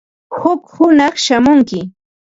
Huk hunaq shamunki.